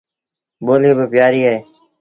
ٻوليٚ با پيٚآريٚ اهي